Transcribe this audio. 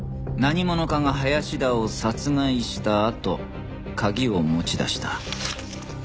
何者かが林田を殺害したあと鍵を持ち出した。